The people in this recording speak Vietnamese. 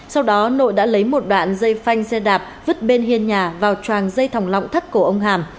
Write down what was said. sau đó nội đã lấy một đoạn dây phanh xe đạp vứt bên hiên nhà vào trang dây thòng lọng thắt cổ ông hàm